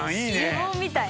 呪文みたい。